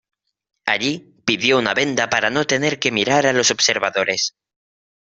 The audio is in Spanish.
Allí, pidió una venda para no tener que mirar a los observadores.